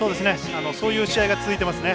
そういう試合が続いていますね。